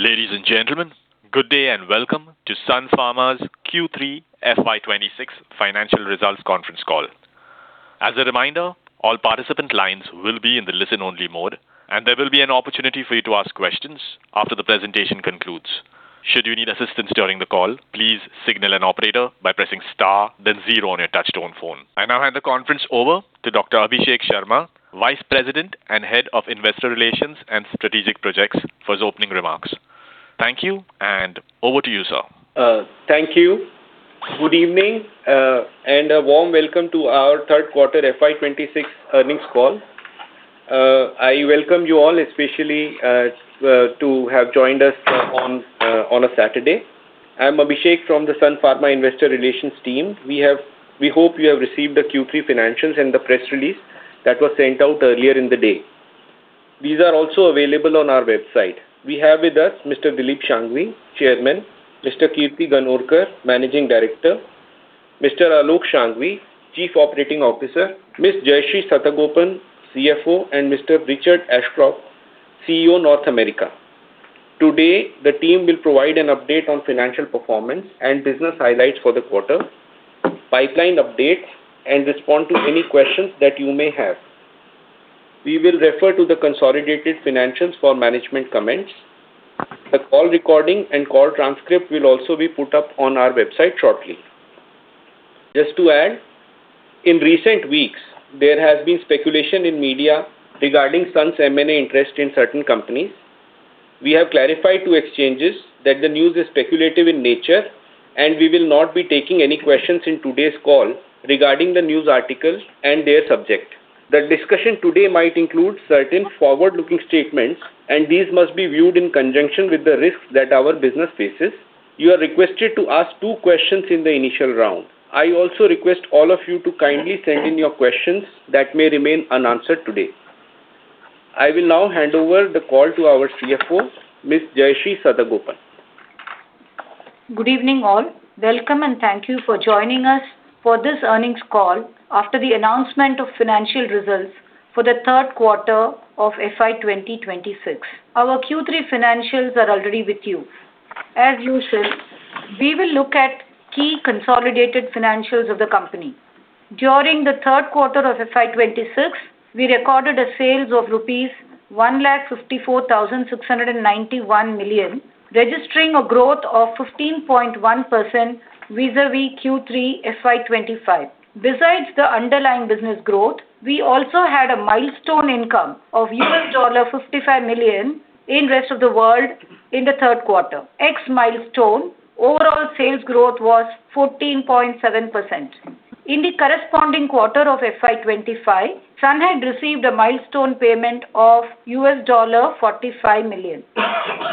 Ladies and gentlemen, good day, and welcome to Sun Pharma's Q3 FY 2026 financial results conference call. As a reminder, all participant lines will be in the listen-only mode, and there will be an opportunity for you to ask questions after the presentation concludes. Should you need assistance during the call, please signal an operator by pressing Star then zero on your touchtone phone. I now hand the conference over to Dr. Abhishek Sharma, Vice President and Head of Investor Relations and Strategic Projects, for his opening remarks. Thank you, and over to you, sir. Thank you. Good evening, and a warm welcome to our third quarter FY 2026 earnings call. I welcome you all, especially, to have joined us on a Saturday. I'm Abhishek from the Sun Pharma Investor Relations team. We hope you have received the Q3 financials and the press release that was sent out earlier in the day. These are also available on our website. We have with us Mr. Dilip Shanghvi, Chairman, Mr. Kirti Ganorkar, Managing Director, Mr. Alok Shanghvi, Chief Operating Officer, Ms. Jayashree Satagopan, CFO, and Mr. Richard Ashcroft, CEO, North America. Today, the team will provide an update on financial performance and business highlights for the quarter, pipeline updates, and respond to any questions that you may have. We will refer to the consolidated financials for management comments. The call recording and call transcript will also be put up on our website shortly. Just to add, in recent weeks, there has been speculation in media regarding Sun's M&A interest in certain companies. We have clarified to exchanges that the news is speculative in nature, and we will not be taking any questions in today's call regarding the news articles and their subject. The discussion today might include certain forward-looking statements, and these must be viewed in conjunction with the risks that our business faces. You are requested to ask two questions in the initial round. I also request all of you to kindly send in your questions that may remain unanswered today. I will now hand over the call to our CFO, Ms. Jayashri Satagopan. Good evening, all. Welcome, and thank you for joining us for this earnings call after the announcement of financial results for the third quarter of FY 2026. Our Q3 financials are already with you. As you said, we will look at key consolidated financials of the company. During the third quarter of FY 2026, we recorded sales of rupees 154,691 million, registering a growth of 15.1% vis-à-vis Q3 FY 2025. Besides the underlying business growth, we also had a milestone income of $55 million in Rest of the World in the third quarter. Ex-milestone, overall sales growth was 14.7%. In the corresponding quarter of FY 2025, Sun had received a milestone payment of $45 million.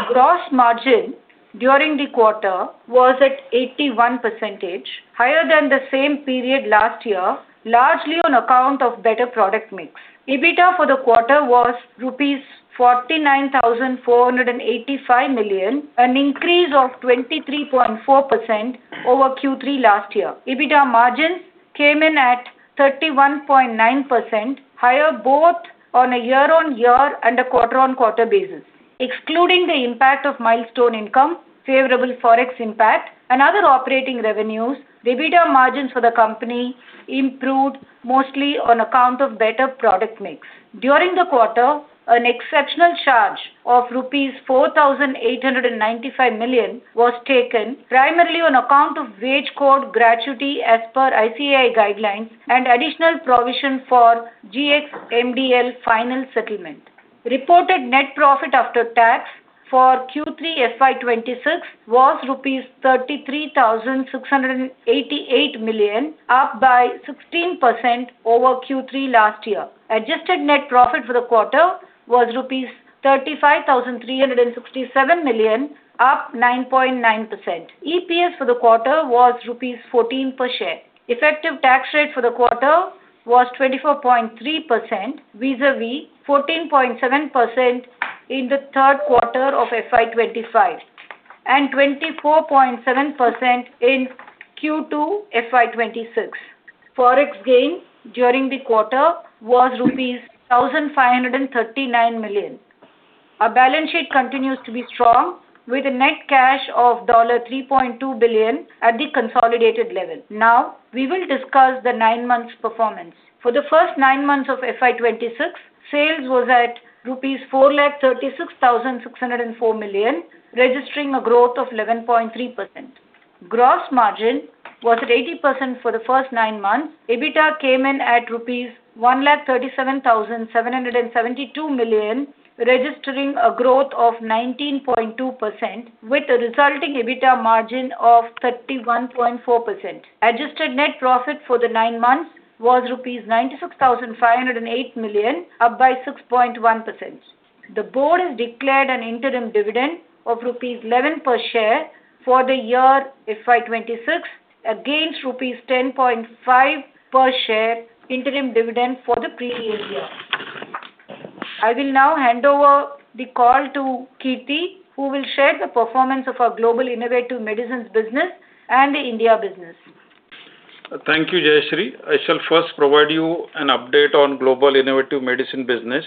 Gross margin during the quarter was at 81%, higher than the same period last year, largely on account of better product mix. EBITDA for the quarter was rupees 49,485 million, an increase of 23.4% over Q3 last year. EBITDA margins came in at 31.9%, higher both on a year-on-year and a quarter-on-quarter basis. Excluding the impact of milestone income, favorable Forex impact, and other operating revenues, the EBITDA margins for the company improved mostly on account of better product mix. During the quarter, an exceptional charge of rupees 4,895 million was taken primarily on account of Wage Code gratuity as per ICAI guidelines and additional provision for Gx MDL final settlement. Reported net profit after tax for Q3 FY 2026 was INR 33,688 million, up by 16% over Q3 last year. Adjusted net profit for the quarter was rupees 35,367 million, up 9.9%. EPS for the quarter was rupees 14 per share. Effective tax rate for the quarter was 24.3%, vis-à-vis 14.7% in the third quarter of FY 2025 and 24.7% in Q2 FY 2026. Forex gain during the quarter was rupees 1,539 million. Our balance sheet continues to be strong, with a net cash of $3.2 billion at the consolidated level. Now, we will discuss the nine months' performance. For the first nine months of FY 2026, sales was at 436,604 million rupees, registering a growth of 11.3%. Gross margin was at 80% for the first nine months. EBITDA came in at rupees 137,772 million, registering a growth of 19.2%, with a resulting EBITDA margin of 31.4%. Adjusted net profit for the nine months was rupees 96,508 million, up by 6.1%. The board has declared an interim dividend of rupees 11 per share for the year FY 2026, against rupees 10.5 per share interim dividend for the previous year. I will now hand over the call to Kirti, who will share the performance of our global innovative medicines business and the India business. Thank you, Jayashri. I shall first provide you an update on global innovative medicine business.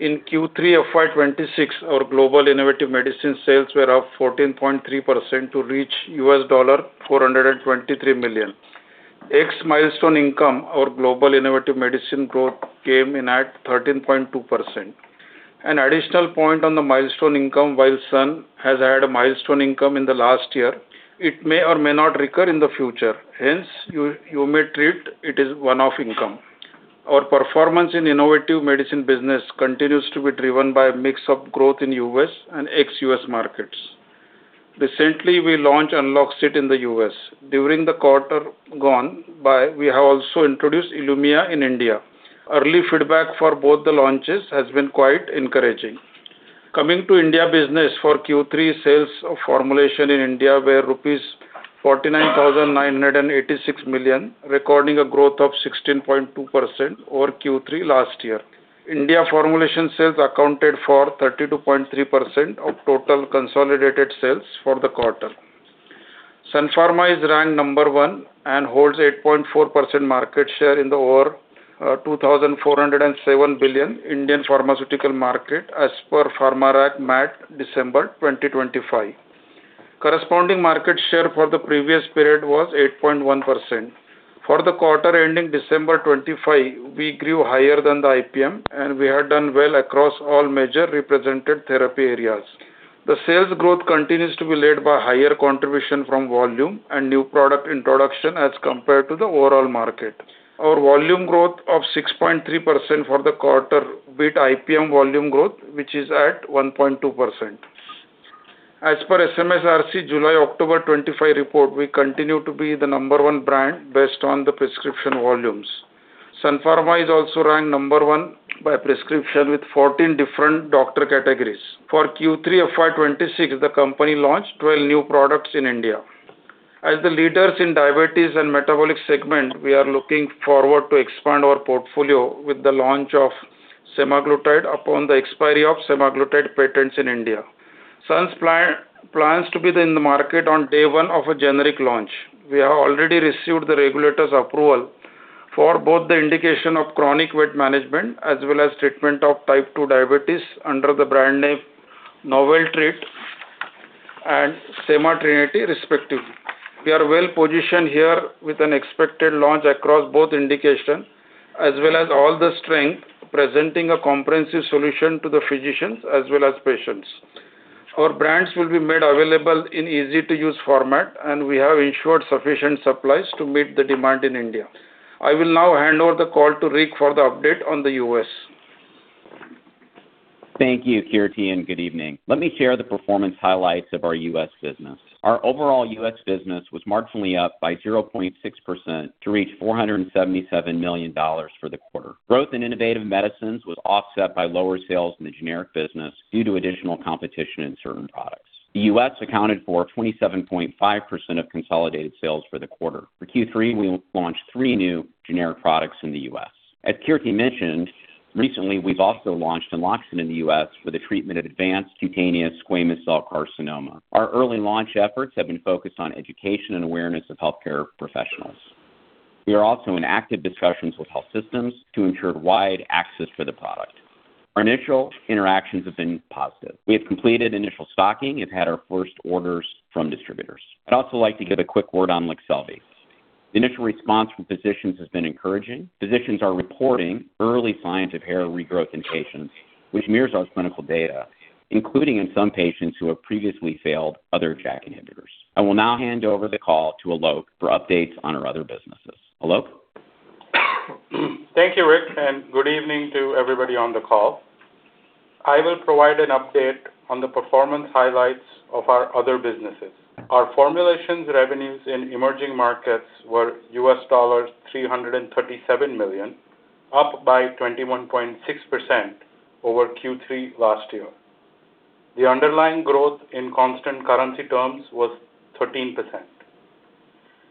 In Q3 of FY 2026, our global innovative medicine sales were up 14.3% to reach $423 million. Ex milestone income, our global innovative medicine growth came in at 13.2%. An additional point on the milestone income, while Sun has had a milestone income in the last year, it may or may not recur in the future. Hence, you may treat it as one-off income. Our performance in innovative medicine business continues to be driven by a mix of growth in US and ex-US markets. Recently, we launched Enloxit in the US. During the quarter gone by, we have also introduced Ilumya in India. Early feedback for both the launches has been quite encouraging. Coming to India business, for Q3, sales of formulation in India were rupees 49,986 million, recording a growth of 16.2% over Q3 last year. India formulation sales accounted for 32.3% of total consolidated sales for the quarter. Sun Pharma is ranked number one and holds 8.4% market share in the over 2,407 billion Indian pharmaceutical market, as per Pharmarack MAT, December 2025. Corresponding market share for the previous period was 8.1%. For the quarter ending December 2025, we grew higher than the IPM, and we have done well across all major represented therapy areas. The sales growth continues to be led by higher contribution from volume and new product introduction as compared to the overall market. Our volume growth of 6.3% for the quarter beat IPM volume growth, which is at 1.2%. As per SMSRC, July-October 2025 report, we continue to be the number one brand based on the prescription volumes. Sun Pharma is also ranked number one by prescription with 14 different doctor categories. For Q3 of FY 2026, the company launched 12 new products in India. As the leaders in diabetes and metabolic segment, we are looking forward to expand our portfolio with the launch of semaglutide upon the expiry of semaglutide patents in India. Sun's plans to be in the market on day one of a generic launch. We have already received the regulator's approval for both the indication of chronic weight management as well as treatment of type 2 diabetes under the brand name NovelTreat and SemaTrinity, respectively. We are well positioned here with an expected launch across both indications, as well as all the strength, presenting a comprehensive solution to the physicians as well as patients. Our brands will be made available in easy-to-use format, and we have ensured sufficient supplies to meet the demand in India. I will now hand over the call to Rick for the update on the U.S. Thank you, Kirti, and good evening. Let me share the performance highlights of our US business. Our overall US business was marginally up by 0.6% to reach $477 million for the quarter. Growth in innovative medicines was offset by lower sales in the generic business due to additional competition in certain products. The US accounted for 27.5% of consolidated sales for the quarter. For Q3, we launched three new generic products in the US. As Kirti mentioned, recently, we've also launched Enloxit in the US for the treatment of advanced cutaneous squamous cell carcinoma. Our early launch efforts have been focused on education and awareness of healthcare professionals. We are also in active discussions with health systems to ensure wide access for the product. Our initial interactions have been positive. We have completed initial stocking and had our first orders from distributors. I'd also like to give a quick word on Leqselvi. The initial response from physicians has been encouraging. Physicians are reporting early signs of hair regrowth in patients, which mirrors our clinical data, including in some patients who have previously failed other JAK inhibitors. I will now hand over the call to Alok for updates on our other businesses. Alok? Thank you, Rick, and good evening to everybody on the call. I will provide an update on the performance highlights of our other businesses. Our formulations revenues in emerging markets were $337 million, up by 21.6% over Q3 last year. The underlying growth in constant currency terms was 13%.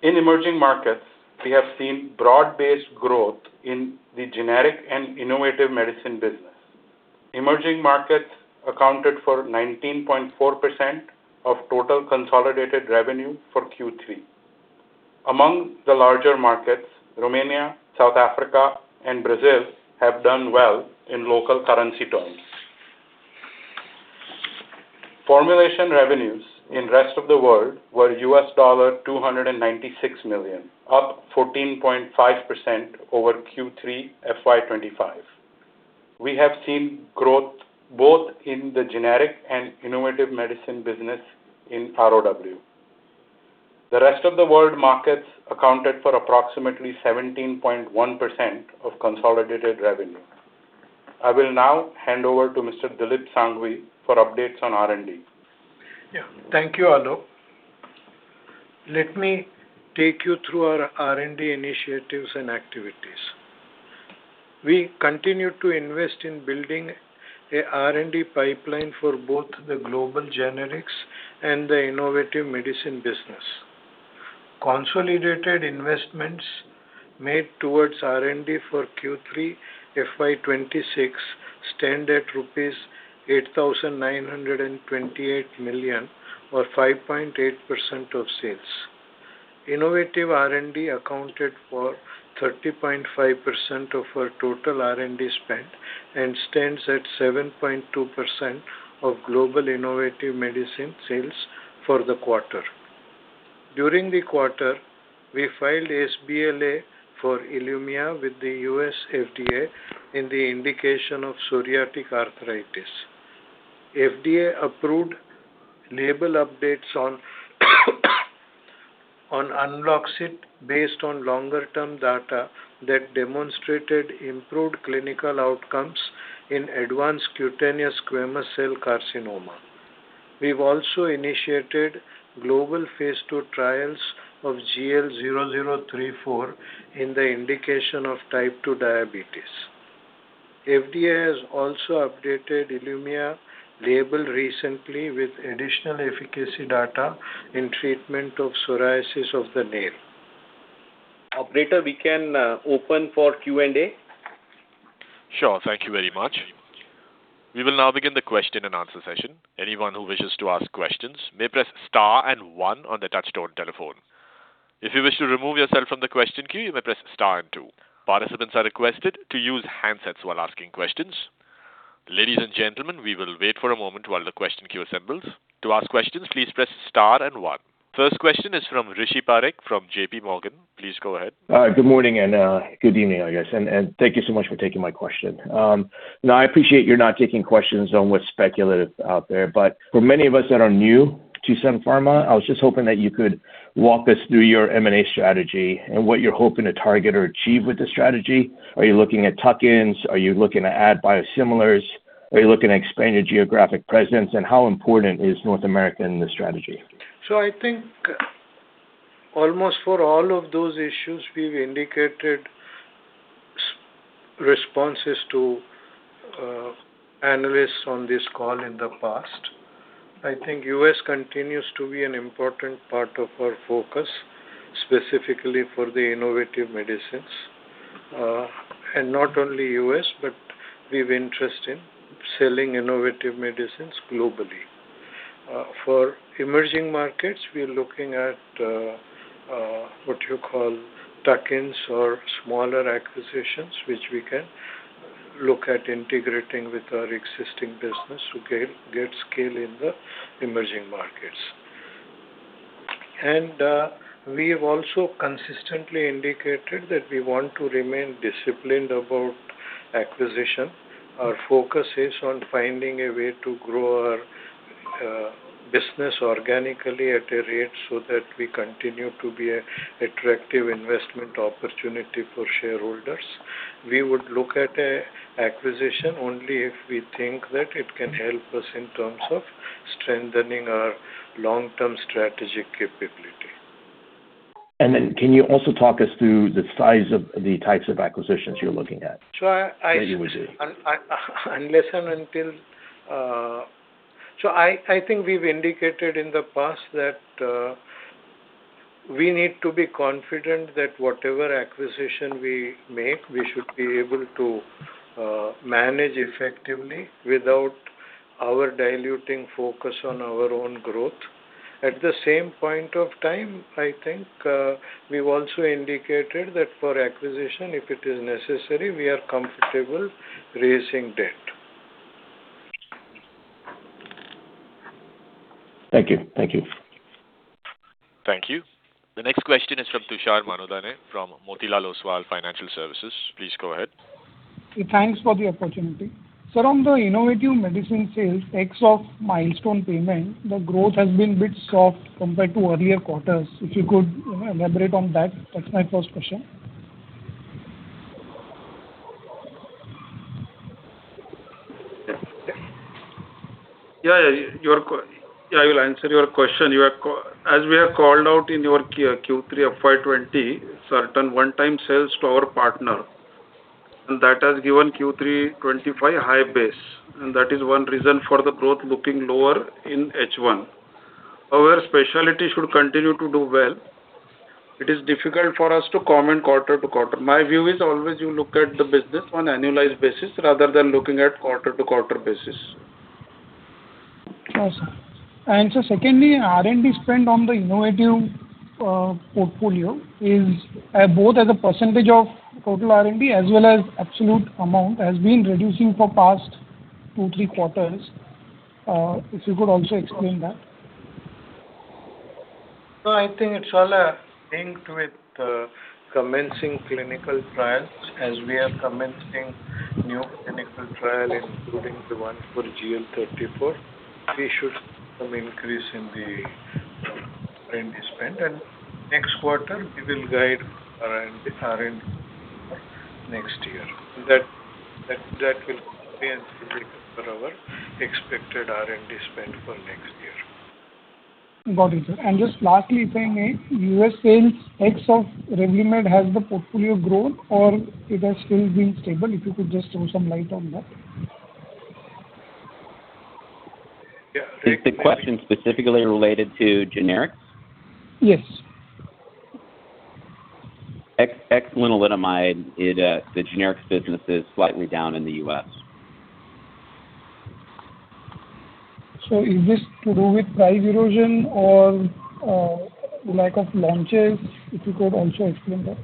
In emerging markets, we have seen broad-based growth in the generic and innovative medicine business. Emerging markets accounted for 19.4% of total consolidated revenue for Q3. Among the larger markets, Romania, South Africa, and Brazil have done well in local currency terms. Formulation revenues in Rest of the World were $296 million, up 14.5% over Q3 FY25. We have seen growth both in the generic and innovative medicine business in ROW. The Rest of the World markets accounted for approximately 17.1% of consolidated revenue. I will now hand over to Mr. Dilip Shanghvi for updates on R&D. Yeah. Thank you, Alok. Let me take you through our R&D initiatives and activities. We continue to invest in building a R&D pipeline for both the global generics and the innovative medicine business. Consolidated investments made towards R&D for Q3 FY2026 stand at rupees 8,928 million or 5.8% of sales. Innovative R&D accounted for 30.5% of our total R&D spend, and stands at 7.2% of global innovative medicine sales for the quarter. During the quarter, we filed sBLA for Ilumya with the U.S. FDA in the indication of psoriatic arthritis. FDA approved label updates on Enloxit, based on longer-term data that demonstrated improved clinical outcomes in advanced cutaneous squamous cell carcinoma. We've also initiated global phase 2 trials of GL0034 in the indication of type 2 diabetes. FDA has also updated Ilumya label recently with additional efficacy data in treatment of psoriasis of the nail. Operator, we can open for Q&A? Sure. Thank you very much. We will now begin the question-and-answer session. Anyone who wishes to ask questions may press star and one on the touchtone telephone. If you wish to remove yourself from the question queue, you may press star and two. Participants are requested to use handsets while asking questions. Ladies and gentlemen, we will wait for a moment while the question queue assembles. To ask questions, please press star and one. First question is from Rishi Parekh, from J.P. Morgan. Please go ahead. Good morning, and good evening, I guess. Thank you so much for taking my question. Now, I appreciate you're not taking questions on what's speculative out there, but for many of us that are new to Sun Pharma, I was just hoping that you could walk us through your M&A strategy and what you're hoping to target or achieve with the strategy. Are you looking at tuck-ins? Are you looking to add biosimilars? Are you looking to expand your geographic presence? And how important is North America in this strategy? I think almost for all of those issues, we've indicated responses to analysts on this call in the past. I think US continues to be an important part of our focus, specifically for the innovative medicines. And not only US, but we have interest in selling innovative medicines globally. For emerging markets, we are looking at what you call tuck-ins or smaller acquisitions, which we can look at integrating with our existing business to gain scale in the emerging markets. And we have also consistently indicated that we want to remain disciplined about acquisition. Our focus is on finding a way to grow our business organically at a rate, so that we continue to be an attractive investment opportunity for shareholders. We would look at an acquisition only if we think that it can help us in terms of strengthening our long-term strategic capability. Can you also talk us through the size of the types of acquisitions you're looking at? So I. That you would do. Unless and until. So I, I think we've indicated in the past that we need to be confident that whatever acquisition we make, we should be able to manage effectively without our diluting focus on our own growth. At the same point of time, I think we've also indicated that for acquisition, if it is necessary, we are comfortable raising debt. Thank you. Thank you. Thank you. The next question is from Tushar Manudhane from Motilal Oswal Financial Services. Please go ahead. Thanks for the opportunity. Sir, on the innovative medicine sales, ex of milestone payment, the growth has been bit soft compared to earlier quarters. If you could, you know, elaborate on that? That's my first question. Yeah, I will answer your question. As we have called out in Q3 FY 20, certain one-time sales to our partner, and that has given Q3 25 high base, and that is one reason for the growth looking lower in H1. Our specialty should continue to do well. It is difficult for us to comment quarter-to-quarter. My view is always you look at the business on annualized basis, rather than looking at quarter-to-quarter basis. Okay. And so secondly, R&D spend on the innovative portfolio is both as a percentage of total R&D, as well as absolute amount, has been reducing for past two, three quarters. If you could also explain that? So I think it's all linked with commencing clinical trials. As we are commencing new clinical trial, including the one for GL0034, we should some increase in the R&D spend. And next quarter, we will guide our R&D next year. That will be for our expected R&D spend for next year. Got it, sir. Just lastly, if I may, US sales, ex of Revlimid, has the portfolio grown or it has still been stable? If you could just throw some light on that. Is the question specifically related to generics? Yes. Excluding lenalidomide, the generics business is slightly down in the US. So is this to do with price erosion or lack of launches? If you could also explain that.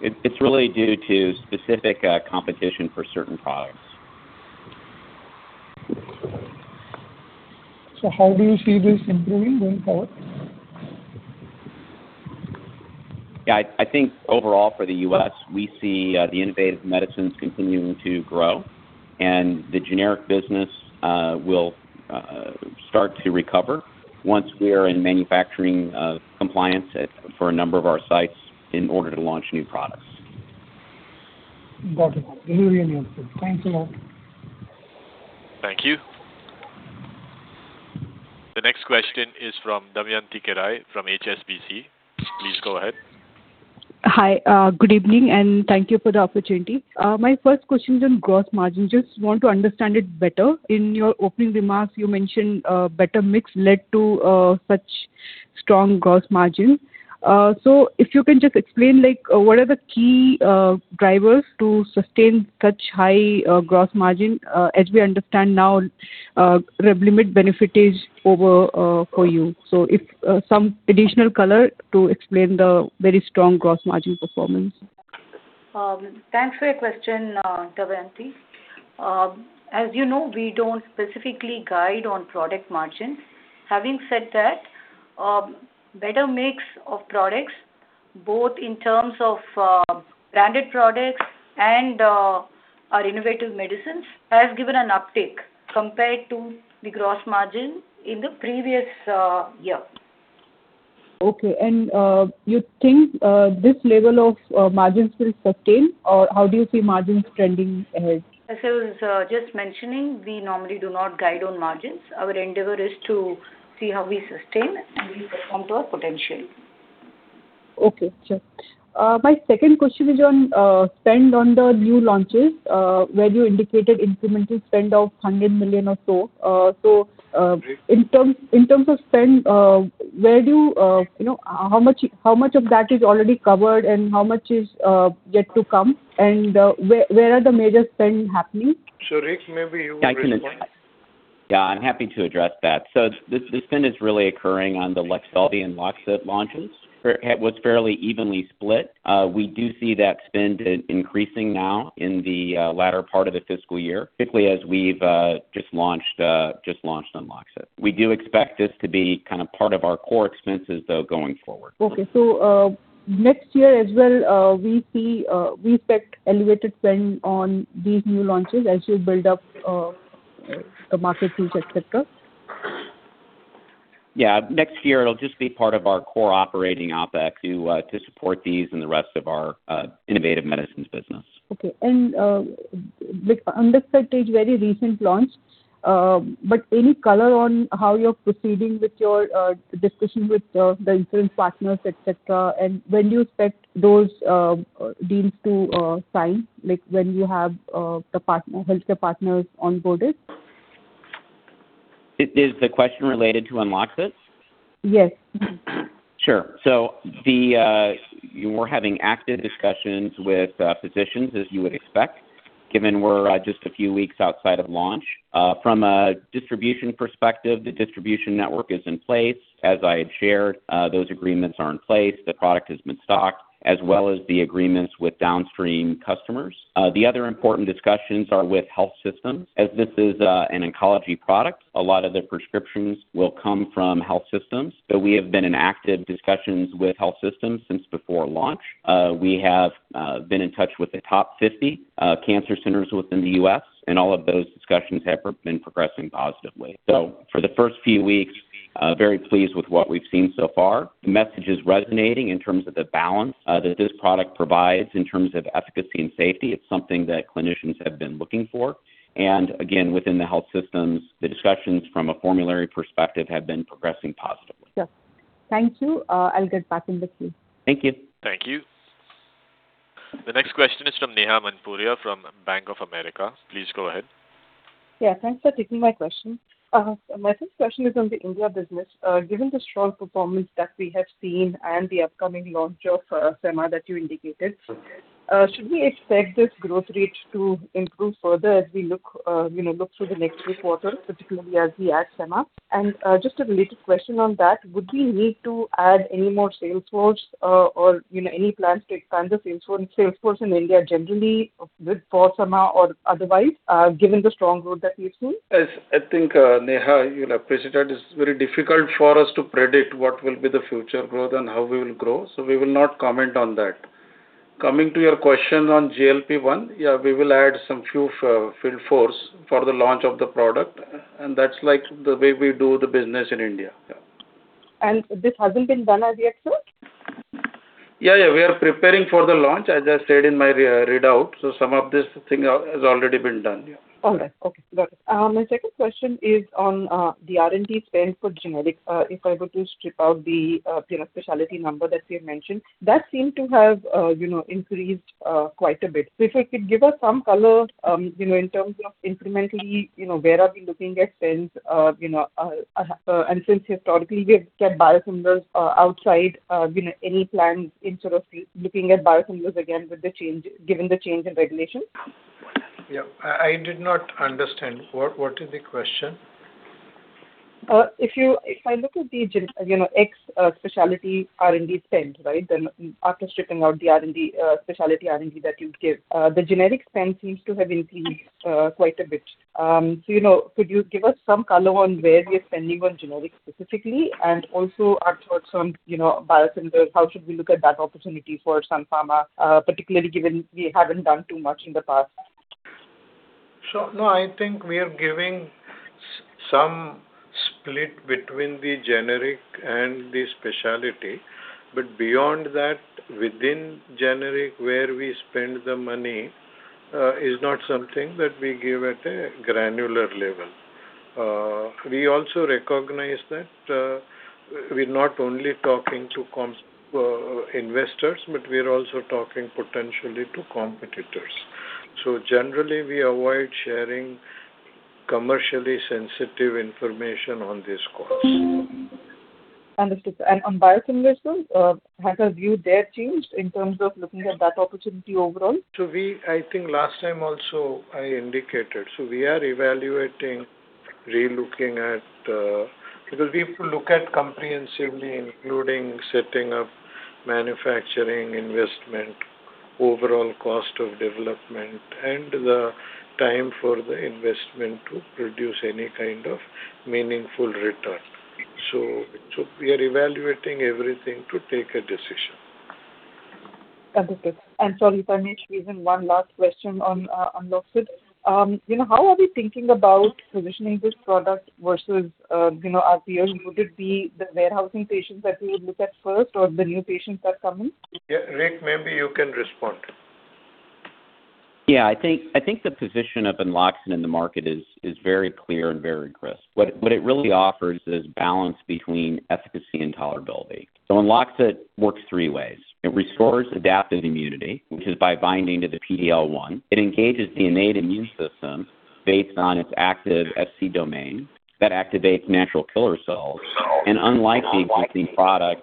It's really due to specific competition for certain products. How do you see this improving going forward? Yeah, I think overall for the U.S., we see the innovative medicines continuing to grow, and the generic business will start to recover once we are in manufacturing compliance at a number of our sites in order to launch new products. Got it. Very clear answer. Thanks a lot. Thank you. The next question is from Damayanti Kerai from HSBC. Please go ahead. Hi, good evening, and thank you for the opportunity. My first question is on gross margin. Just want to understand it better. In your opening remarks, you mentioned, better mix led to, such strong gross margin. So if you can just explain, like, what are the key, drivers to sustain such high, gross margin? As we understand now, Revlimid benefit is over, for you. So if, some additional color to explain the very strong gross margin performance. Thanks for your question, Damayanti. As you know, we don't specifically guide on product margins. Having said that, better mix of products, both in terms of, branded products and, our innovative medicines, has given an uptick compared to the gross margin in the previous, year. Okay, and you think this level of margins will sustain, or how do you see margins trending ahead? As I was just mentioning, we normally do not guide on margins. Our endeavor is to see how we sustain, and we perform to our potential. Okay, sure. My second question is on spend on the new launches, where you indicated incremental spend of $100 million or so. So, in terms of spend, where do you, you know, how much of that is already covered and how much is yet to come? And where are the major spend happening? Rick, maybe you can explain. Yeah, I can address. Yeah, I'm happy to address that. So the spend is really occurring on the Leqselvi and Enloxit launches. It was fairly evenly split. We do see that spend increasing now in the latter part of the fiscal year, particularly as we've just launched Enloxit. We do expect this to be kind of part of our core expenses, though, going forward. Okay. So, next year as well, we see, we expect elevated spend on these new launches as you build up, the market reach, et cetera? Yeah. Next year, it'll just be part of our core operating OpEx to support these and the rest of our innovative medicines business. Okay. With Enloxit very recent launch, but any color on how you're proceeding with your discussion with the insurance partners, et cetera, and when do you expect those deals to sign, like when you have the healthcare partners onboarded? Is the question related to Enloxit? Yes. Sure. So we're having active discussions with physicians, as you would expect, given we're just a few weeks outside of launch. From a distribution perspective, the distribution network is in place. As I had shared, those agreements are in place. The product has been stocked, as well as the agreements with downstream customers. The other important discussions are with health systems. As this is an oncology product, a lot of the prescriptions will come from health systems. So we have been in active discussions with health systems since before launch. We have been in touch with the top 50 cancer centers within the U.S., and all of those discussions have been progressing positively. So for the first few weeks, very pleased with what we've seen so far. The message is resonating in terms of the balance, that this product provides in terms of efficacy and safety. It's something that clinicians have been looking for. And again, within the health systems, the discussions from a formulary perspective have been progressing positively. Sure. Thank you. I'll get back in the queue. Thank you. Thank you. The next question is from Neha Manpuria from Bank of America. Please go ahead. Yeah, thanks for taking my question. My first question is on the India business. Given the strong performance that we have seen and the upcoming launch of Sema that you indicated, should we expect this growth rate to improve further as we look, you know, through the next few quarters, particularly as we add Sema? And just a related question on that, would we need to add any more sales force or any plans to expand the sales force, sales force in India, generally with, for Sema or otherwise, given the strong growth that we've seen? Yes. I think, Neha, you'll appreciate that it's very difficult for us to predict what will be the future growth and how we will grow, so we will not comment on that. Coming to your question on GLP-1, yeah, we will add some few field force for the launch of the product, and that's like the way we do the business in India. Yeah. This hasn't been done as yet, sir? Yeah, yeah, we are preparing for the launch, as I said in my readout, so some of this thing has already been done. All right. Okay, got it. My second question is on the R&D spend for generics. If I were to strip out the specialty number that you mentioned, that seemed to have, you know, increased quite a bit. So if you could give us some color, you know, in terms of incrementally, you know, where are we looking at spends? You know, and since historically, we have kept biosimilars outside, you know, any plans in sort of looking at biosimilars again with the change, given the change in regulation? Yeah, I did not understand. What is the question? If I look at the gen, you know, ex, specialty R&D spend, right? Then after stripping out the R&D, specialty R&D that you give, the generic spend seems to have increased quite a bit. So, you know, could you give us some color on where we are spending on generics specifically, and also our thoughts on, you know, biosimilars? How should we look at that opportunity for Sun Pharma, particularly given we haven't done too much in the past? So, no, I think we are giving some split between the generic and the specialty, but beyond that, within generic, where we spend the money, is not something that we give at a granular level. We also recognize that, we're not only talking to constituents, investors, but we're also talking potentially to competitors. So generally, we avoid sharing commercially sensitive information on this call. Understood. And on biosimilars, has your view there changed in terms of looking at that opportunity overall? So we—I think last time also I indicated, so we are evaluating, re-looking at, because we have to look at comprehensively, including setting up manufacturing, investment, overall cost of development, and the time for the investment to produce any kind of meaningful return. So, so we are evaluating everything to take a decision. Understood. Sorry, promise, even one last question on Enloxit. You know, how are we thinking about positioning this product versus, you know, our peers? Would it be the warehousing patients that we would look at first or the new patients that come in? Yeah, Rick, maybe you can respond. Yeah, I think the position of Enloxit in the market is very clear and very crisp. What it really offers is balance between efficacy and tolerability. So Enloxit works three ways: It restores adaptive immunity, which is by binding to the PD-L1. It engages the innate immune system based on its active Fc domain that activates natural killer cells, and unlike the existing products,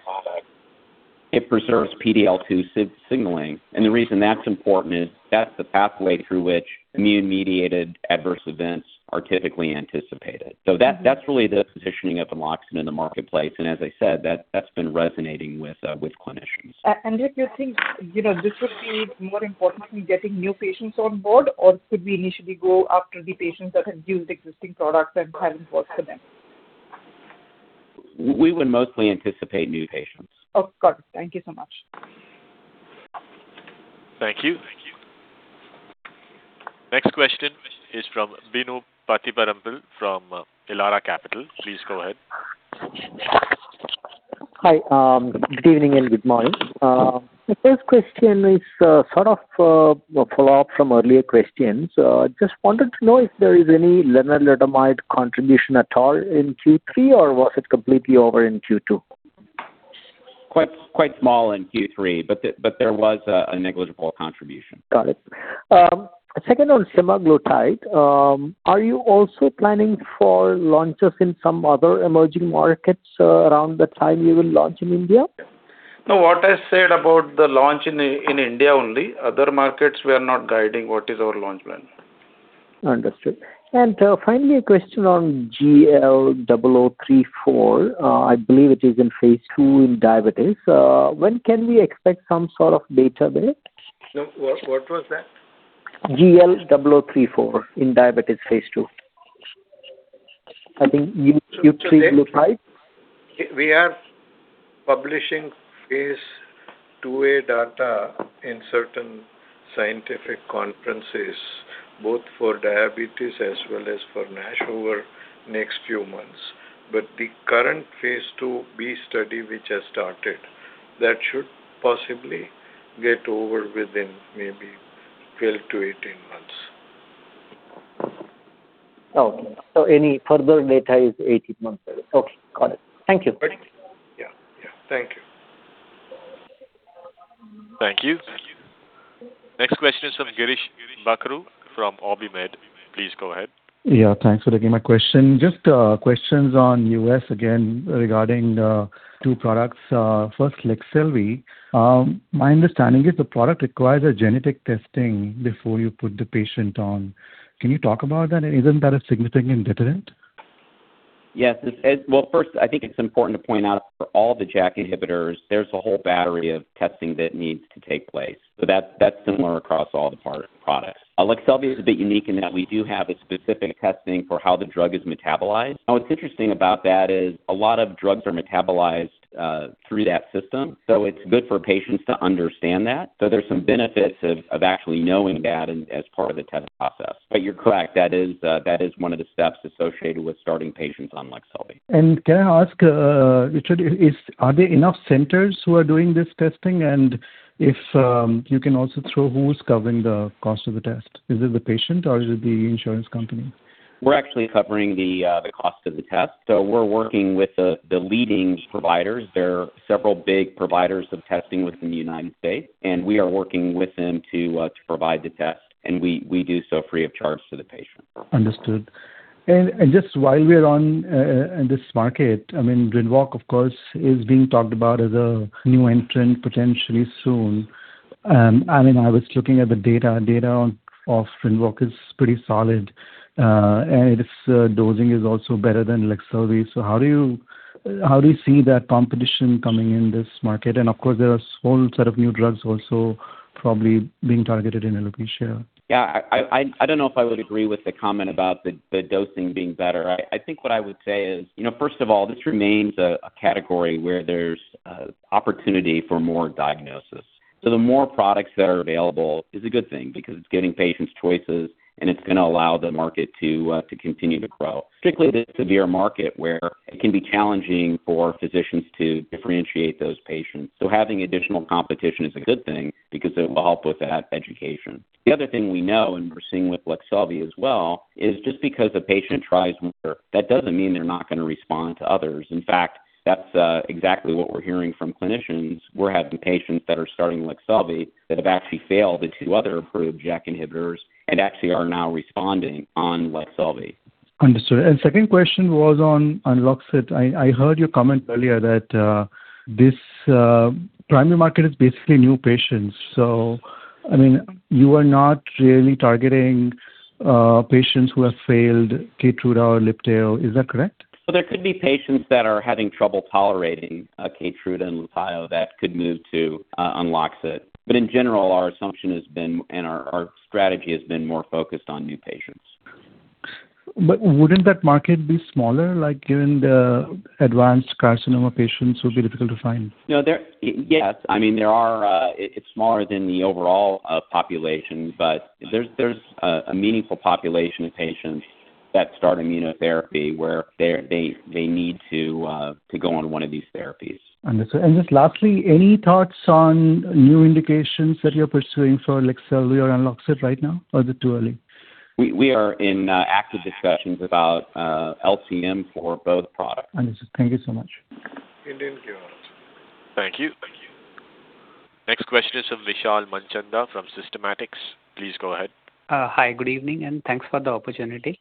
it preserves PD-L2 signaling. And the reason that's important is that's the pathway through which immune-mediated adverse events are typically anticipated. Mm-hmm. So that, that's really the positioning of Enloxit in the marketplace, and as I said, that, that's been resonating with, with clinicians. And if you think, you know, this would be more importantly getting new patients on board, or could we initially go after the patients that have used existing products and haven't worked for them? We would mostly anticipate new patients. Okay. Thank you so much. Thank you. Next question is from Binu Pathiparampil, from Elara Capital. Please go ahead. Hi, good evening and good morning. The first question is sort of a follow-up from earlier questions. Just wanted to know if there is any lenalidomide contribution at all in Q3, or was it completely over in Q2? Quite small in Q3, but there was a negligible contribution. Got it. Second, on semaglutide, are you also planning for launches in some other emerging markets, around the time you will launch in India? No, what I said about the launch in India only. Other markets, we are not guiding what is our launch plan. Understood. Finally, a question on GL0034. I believe it is in phase 2 in diabetes. When can we expect some sort of data with it? No, what, what was that? GL0034 in diabetes, phase 2. I think you prescribed? We are publishing phase 2 data in certain scientific conferences, both for diabetes as well as for NASH over the next few months. But the current phase 2b study, which has started, that should possibly get over within maybe 12-18 months. Okay. So any further data is 18 months? Okay, got it. Thank you. Yeah. Yeah, thank you. Thank you. Next question is from Girish Bakhru from OrbiMed. Please go ahead. Yeah, thanks for taking my question. Just, questions on U.S. again, regarding, two products. First, Leqselvi. My understanding is the product requires a genetic testing before you put the patient on. Can you talk about that? Isn't that a significant deterrent? Yes, it is. Well, first, I think it's important to point out for all the JAK inhibitors, there's a whole battery of testing that needs to take place. So that's similar across all the products. Leqselvi is a bit unique in that we do have a specific testing for how the drug is metabolized. Now, what's interesting about that is a lot of drugs are metabolized through that system, so it's good for patients to understand that. So there's some benefits of actually knowing that as part of the testing process. But you're correct, that is one of the steps associated with starting patients on Leqselvi. Can I ask, Richard, are there enough centers who are doing this testing? And if you can also throw who's covering the cost of the test. Is it the patient or is it the insurance company? We're actually covering the cost of the test, so we're working with the leading providers. There are several big providers of testing within the United States, and we are working with them to provide the test, and we do so free of charge to the patient. Understood. And just while we're on this market, I mean, Rinvoq, of course, is being talked about as a new entrant potentially soon. I mean, I was looking at the data. Data on Rinvoq is pretty solid, and its dosing is also better than Leqselvi. So how do you see that competition coming in this market? And of course, there are a whole set of new drugs also probably being targeted in alopecia. Yeah, I don't know if I would agree with the comment about the dosing being better. I think what I would say is, you know, first of all, this remains a category where there's opportunity for more diagnosis. So the more products that are available is a good thing because it's giving patients choices, and it's going to allow the market to continue to grow. Strictly, the severe market, where it can be challenging for physicians to differentiate those patients. So having additional competition is a good thing because it will help with that education. The other thing we know, and we're seeing with Leqselvi as well, is just because a patient tries more, that doesn't mean they're not going to respond to others. In fact, that's exactly what we're hearing from clinicians. We're having patients that are starting Leqselvi that have actually failed the two other approved JAK inhibitors and actually are now responding on Leqselvi. Understood. And second question was on Enloxit. I heard your comment earlier that this primary market is basically new patients. So, I mean, you are not really targeting patients who have failed Keytruda or Libtayo. Is that correct? So there could be patients that are having trouble tolerating Keytruda and Libtayo that could move to Enloxit. But in general, our assumption has been, and our strategy has been more focused on new patients. Wouldn't that market be smaller, like, given the advanced carcinoma patients would be difficult to find? Yes. I mean, there are. It's smaller than the overall population, but there's a meaningful population of patients that start immunotherapy, where they need to go on one of these therapies. Understood. And just lastly, any thoughts on new indications that you're pursuing for Leqselvi or on Enloxit right now, or is it too early? We are in active discussions about LCM for both products. Understood. Thank you so much. Thank you. Next question is from Vishal Manchanda from Systematix. Please go ahead. Hi, good evening, and thanks for the opportunity.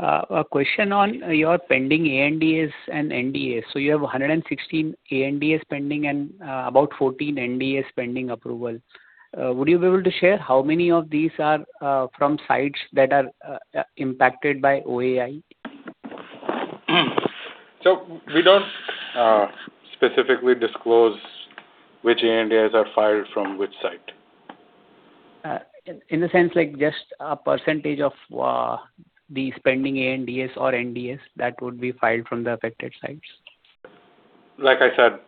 A question on your pending ANDAs and NDAs. So you have 116 ANDAs pending and about 14 NDAs pending approval. Would you be able to share how many of these are from sites that are impacted by OAI? We don't specifically disclose which ANDAs are filed from which site. In the sense, like, just a percentage of the pending ANDAs or NDAs that would be filed from the affected sites. Like I said,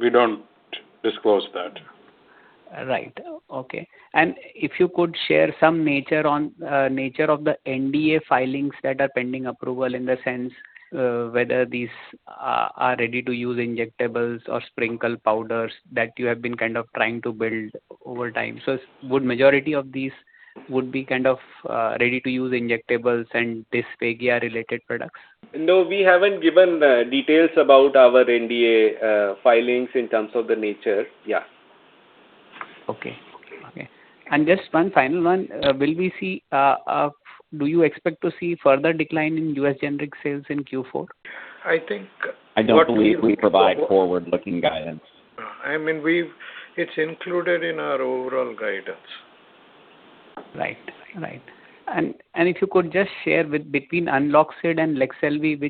we don't disclose that. Right. Okay. And if you could share some nature on, nature of the NDA filings that are pending approval, in the sense, whether these are ready-to-use injectables or sprinkle powders that you have been kind of trying to build over time. So majority of these would be kind of ready-to-use injectables and dysphagia-related products? No, we haven't given details about our NDA filings in terms of the nature. Yeah. Okay. Just one final one. Do you expect to see further decline in US generic sales in Q4? I think- I don't believe we provide forward-looking guidance. I mean, it's included in our overall guidance. Right. Right. And if you could just share, between Enloxit and Leqselvi,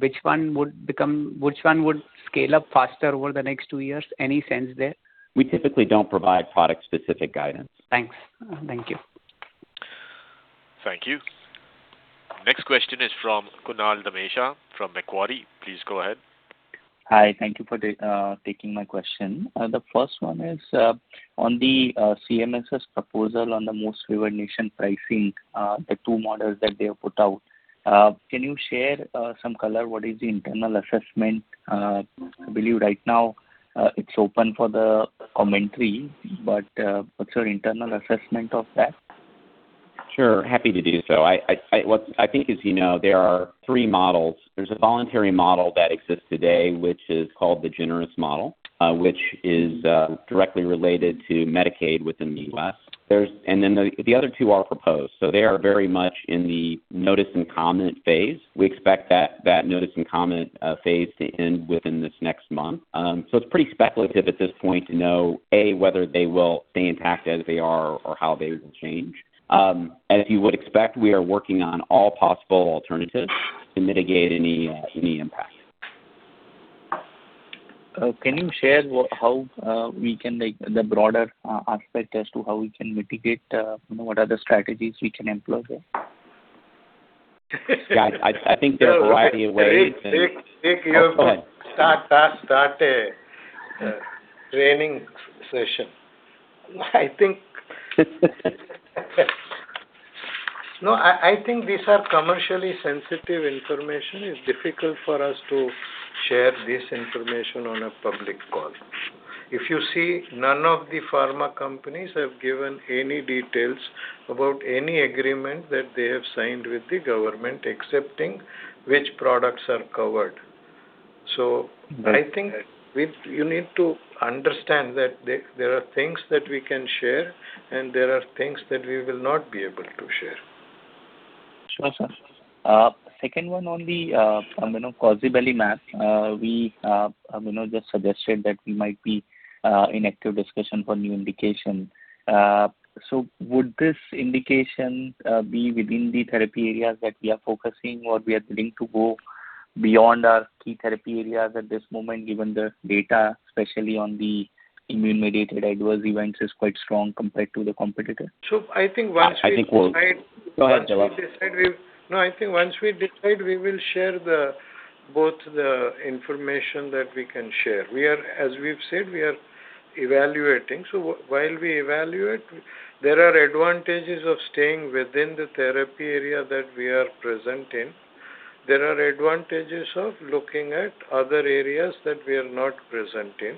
which one would become, which one would scale up faster over the next two years? Any sense there? We typically don't provide product-specific guidance. Thanks. Thank you. Thank you. Next question is from Kunal Dhamesha from Macquarie. Please go ahead. Hi, thank you for taking my question. The first one is on the CMS's proposal on the Most Favored Nation pricing, the two models that they have put out. Can you share some color, what is the internal assessment? I believe right now it's open for the commentary, but what's your internal assessment of that? Sure, happy to do so. What I think, as you know, there are three models. There's a voluntary model that exists today, which is called the Generous Model, which is directly related to Medicaid within the U.S. There's, and then the other two are proposed, so they are very much in the notice and comment phase. We expect that notice and comment phase to end within this next month. So it's pretty speculative at this point to know, A, whether they will stay intact as they are or how they will change. As you would expect, we are working on all possible alternatives to mitigate any impact. Can you share how we can make the broader aspect as to how we can mitigate, you know, what are the strategies we can employ there? Yeah, I think there are a variety of ways- Take your- Go ahead. I think—no, I, I think these are commercially sensitive information. It's difficult for us to share this information on a public call. If you see, none of the pharma companies have given any details about any agreement that they have signed with the government, excepting which products are covered. So I think you need to understand that there are things that we can share, and there are things that we will not be able to share. Sure, sir. Second one on the front, you know, Cosibelimab, we, you know, just suggested that we might be in active discussion for new indication. So would this indication be within the therapy areas that we are focusing, or we are willing to go beyond our key therapy areas at this moment, given the data, especially on the immune-mediated adverse events, is quite strong compared to the competitor? I think once we decide- I think we'll go ahead, Jaya. No, I think once we decide, we will share both the information that we can share. We are. As we've said, we are evaluating. So while we evaluate, there are advantages of staying within the therapy area that we are present in. There are advantages of looking at other areas that we are not present in.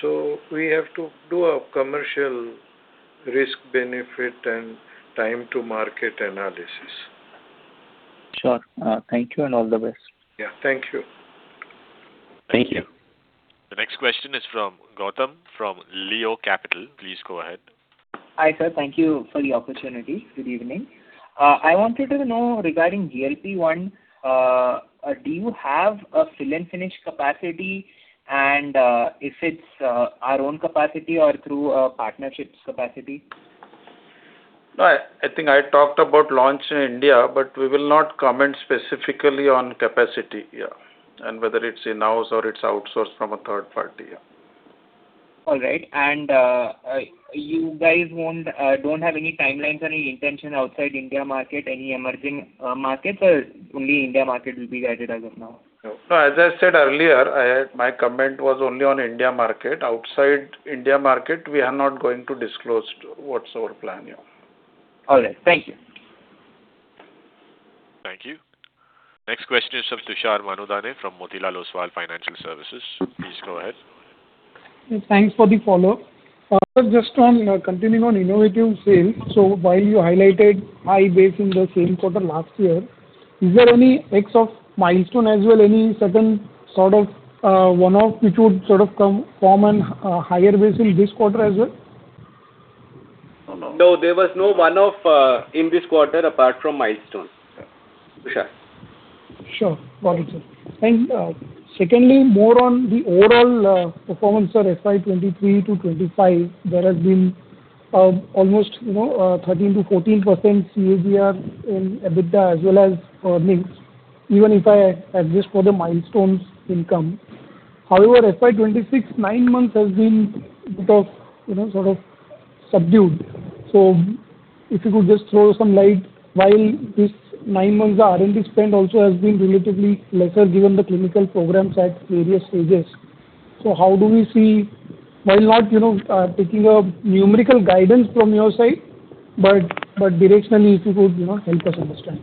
So we have to do a commercial risk-benefit and time to market analysis. Sure. Thank you, and all the best. Yeah. Thank you. Thank you. The next question is from Gautam from Leo Capital. Please go ahead. Hi, sir. Thank you for the opportunity. Good evening. I wanted to know regarding GLP-1, do you have a fill-and-finish capacity? If it's our own capacity or through partnerships capacity? No, I think I talked about launch in India, but we will not comment specifically on capacity, yeah, and whether it's in-house or it's outsourced from a third party, yeah. All right. You guys won't, don't have any timelines or any intention outside India market, any emerging markets, or only India market will be guided as of now? No. So as I said earlier, my comment was only on India market. Outside India market, we are not going to disclose what's our plan here. All right. Thank you. Thank you. Next question is from Tushar Manudhane from Motilal Oswal Financial Services. Please go ahead. Thanks for the follow-up. Just on continuing on innovative sales, so while you highlighted high base in the same quarter last year, is there any sort of milestone as well, any certain sort of one-off which would sort of come from a higher base in this quarter as well? No. No, there was no one-off in this quarter, apart from milestone. Tushar. Sure. Got it, sir. And, secondly, more on the overall performance of FY 2023 to 2025, there has been, almost, you know, 13%-14% CAGR in EBITDA as well as earnings, even if I adjust for the milestones income. However, FY 2026, 9 months has been a bit of, you know, sort of subdued. So if you could just throw some light, while this 9 months, the R&D spend also has been relatively lesser, given the clinical programs at various stages. So how do we see, while not, you know, taking a numerical guidance from your side, but, but directionally, if you could, you know, help us understand?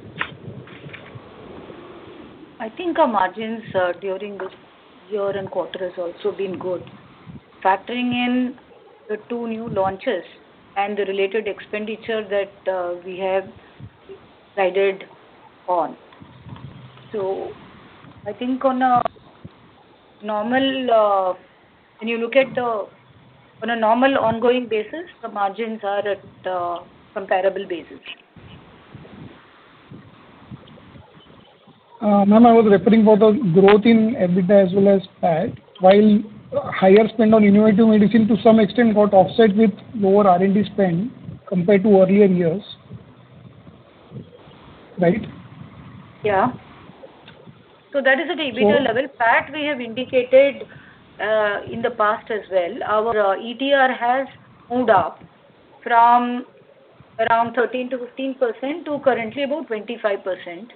I think our margins during this year and quarter has also been good, factoring in the two new launches and the related expenditure that we have decided on. So I think on a normal, when you look at the on a normal ongoing basis, the margins are at a comparable basis. Ma'am, I was referring for the growth in EBITDA as well as PAT, while higher spend on innovative medicine to some extent got offset with lower R&D spend compared to earlier years. Right? Yeah. So that is at the EBITDA level. So- PAT, we have indicated, in the past as well. Our ETR has moved up from around 13%-15% to currently about 25%,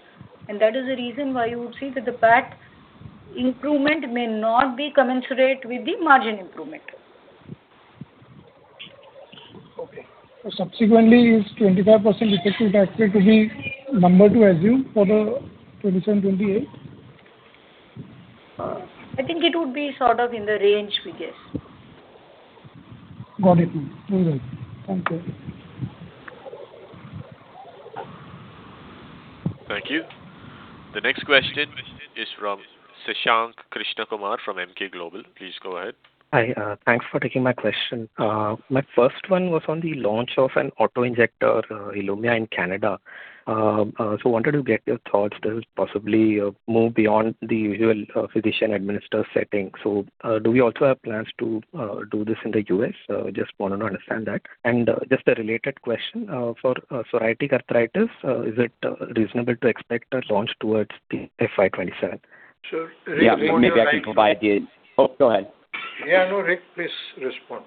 and that is the reason why you would see that the PAT improvement may not be commensurate with the margin improvement. Okay. So subsequently, is 25% effective tax rate the number to assume for the 2027, 2028? I think it would be sort of in the range, we guess. Got it, ma'am. All right. Thank you. Thank you. The next question is from Shashank Krishnakumar from Emkay Global Financial Services. Please go ahead. Hi, thanks for taking my question. My first one was on the launch of an auto-injector, Ilumya in Canada. So wanted to get your thoughts that would possibly move beyond the usual physician administered setting. So, do we also have plans to do this in the U.S.? Just want to understand that. And, just a related question, for psoriatic arthritis, is it reasonable to expect a launch towards the FY 2027? Sure. Yeah, maybe I can provide you. Oh, go ahead. Yeah, no, Rick, please respond.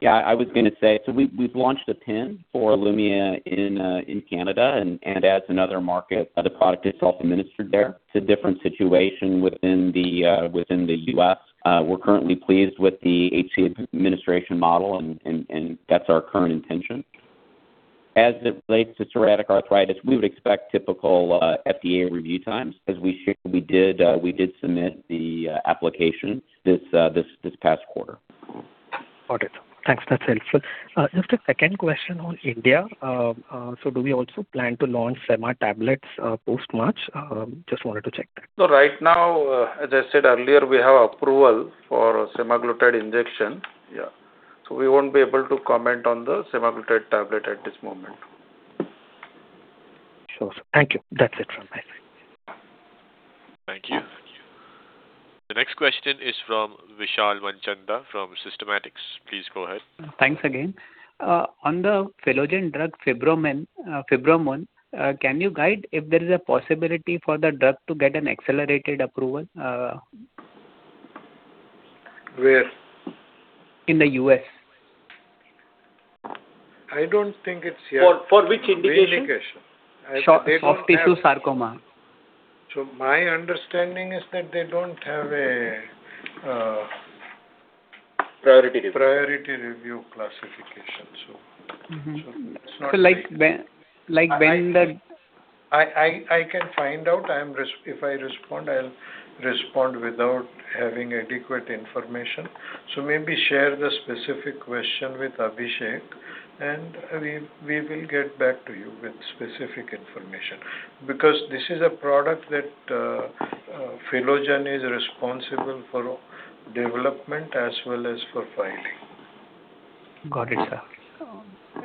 Yeah, I was going to say, so we've launched a pen for Ilumya in Canada, and as another market, the product is also administered there. It's a different situation within the US. We're currently pleased with the SC administration model, and that's our current intention. As it relates to psoriatic arthritis, we would expect typical FDA review times, as we shared. We did submit the application this past quarter. Got it. Thanks, that's helpful. Just a second question on India. So do we also plan to launch sema tablets post-March? Just wanted to check that. Right now, as I said earlier, we have approval for semaglutide injection. Yeah. We won't be able to comment on the semaglutide tablet at this moment. Sure, sir. Thank you. That's it from my side. Thank you. The next question is from Vishal Manchanda from Systematix. Please go ahead. Thanks again. On the Philogen drug, Fibromun, can you guide if there is a possibility for the drug to get an accelerated approval? Where? In the US. I don't think it's here. Which indication? Soft tissue sarcoma. My understanding is that they don't have a. Priority review. Priority review classification, so. Mm-hmm. It's not- So, like beyond that- I can find out. I'm res-- if I respond, I'll respond without having adequate information. So maybe share the specific question with Abhishek, and we will get back to you with specific information. Because this is a product that Philogen is responsible for development as well as for filing. Got it, sir.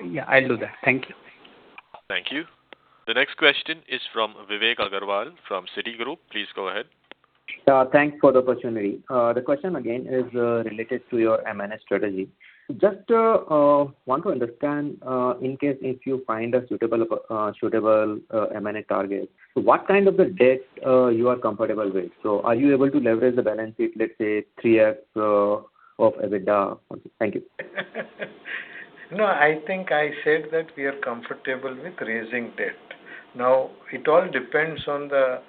Yeah, I'll do that. Thank you. Thank you. The next question is from Vivek Agarwal from Citigroup. Please go ahead. Thanks for the opportunity. The question again is related to your M&A strategy. Just want to understand, in case if you find a suitable M&A target, so what kind of the debt you are comfortable with? So are you able to leverage the balance sheet, let's say, 3x of EBITDA? Thank you. No, I think I said that we are comfortable with raising debt. Now, it all depends on the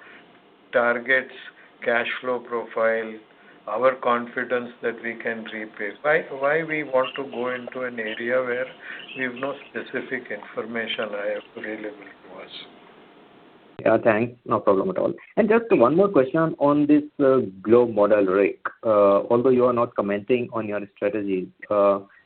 target's cash flow profile, our confidence that we can repay. Why, why we want to go into an area where we have no specific information, I have to really make worse. Yeah, thanks. No problem at all. Just one more question on this global model, Rick. Although you are not commenting on your strategy,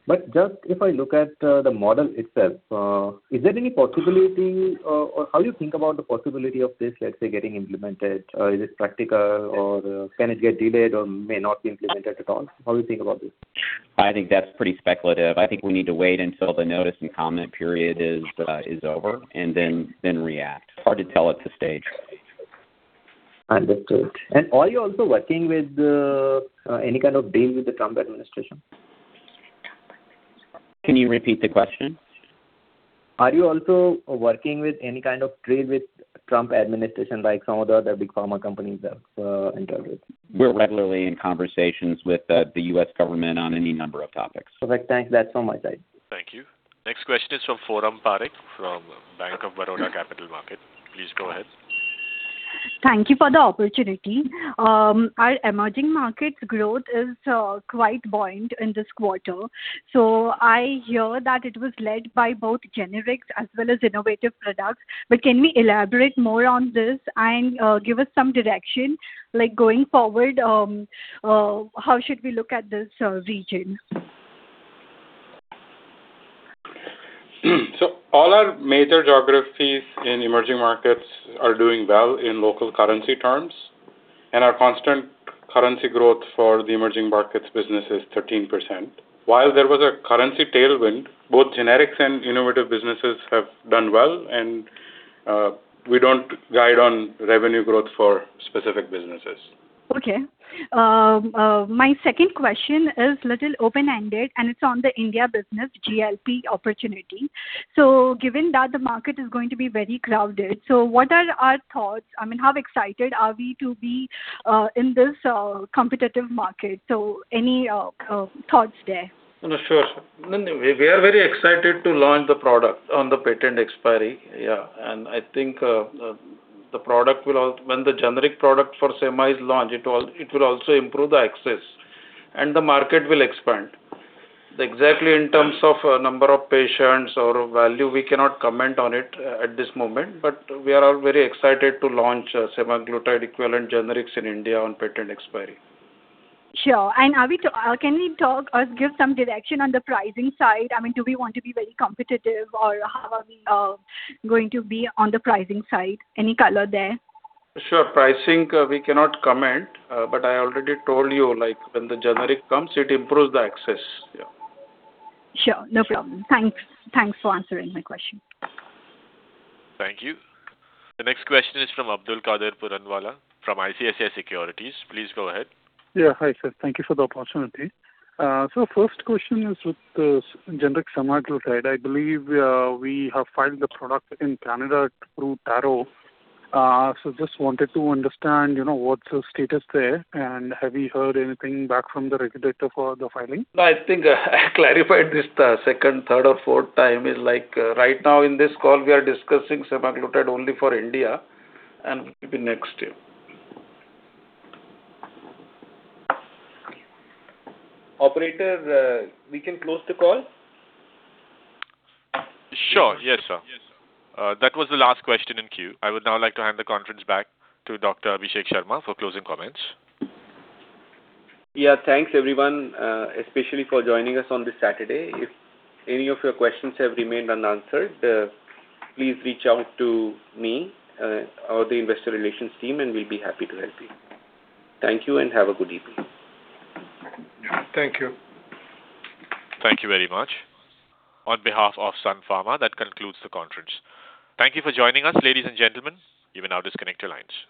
but just if I look at the model itself, is there any possibility or how you think about the possibility of this, let's say, getting implemented? Is it practical or can it get delayed or may not be implemented at all? How do you think about this? I think that's pretty speculative. I think we need to wait until the notice and comment period is, is over and then, then react. It's hard to tell at this stage. Understood. And are you also working with any kind of deal with the Trump administration? Can you repeat the question? Are you also working with any kind of deal with Trump Administration, like some of the other big pharma companies have entered with? We're regularly in conversations with the U.S. government on any number of topics. Perfect. Thanks. That's all my side. Thank you. Next question is from Forum Parekh from Bank of Baroda. Please go ahead. Thank you for the opportunity. Our emerging markets growth is quite buoyant in this quarter. So I hear that it was led by both generics as well as innovative products. But can we elaborate more on this and give us some direction, like, going forward, how should we look at this region? All our major geographies in Emerging Markets are doing well in local currency terms, and our constant currency growth for the Emerging Markets business is 13%. While there was a currency tailwind, both generics and innovative businesses have done well, and we don't guide on revenue growth for specific businesses. Okay. My second question is little open-ended, and it's on the India business, GLP opportunity. So given that the market is going to be very crowded, so what are our thoughts? I mean, how excited are we to be in this competitive market? So any thoughts there? No, sure. No, no, we are very excited to launch the product on the patent expiry. Yeah, and I think the product will. When the generic product for Sema is launched, it will, it will also improve the access, and the market will expand. Exactly in terms of number of patients or value, we cannot comment on it at this moment, but we are all very excited to launch a semaglutide equivalent generics in India on patent expiry. Sure. And are we to, can we talk or give some direction on the pricing side? I mean, do we want to be very competitive, or how are we going to be on the pricing side? Any color there? Sure. Pricing, we cannot comment, but I already told you, like, when the generic comes, it improves the access. Yeah. Sure. No problem. Thanks. Thanks for answering my question. Thank you. The next question is from Abdul Kader Puranwala, from ICICI Securities. Please go ahead. Yeah. Hi, sir. Thank you for the opportunity. First question is with the generic semaglutide. I believe, we have filed the product in Canada through Taro. Just wanted to understand, you know, what's the status there, and have you heard anything back from the regulator for the filing? No, I think I clarified this the second, third or fourth time. It like, right now in this call, we are discussing semaglutide only for India and will be next year. Operator, we can close the call? Sure. Yes, sir. That was the last question in queue. I would now like to hand the conference back to Dr. Abhishek Sharma for closing comments. Yeah, thanks, everyone, especially for joining us on this Saturday. If any of your questions have remained unanswered, please reach out to me, or the investor relations team, and we'll be happy to help you. Thank you and have a good evening. Thank you. Thank you very much. On behalf of Sun Pharma, that concludes the conference. Thank you for joining us, ladies and gentlemen. You may now disconnect your lines.